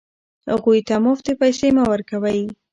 هغوی ته مفتې پیسې مه ورکوئ.